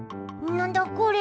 なんだこれ？